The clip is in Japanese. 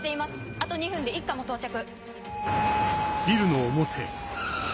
あと２分で一課も到着。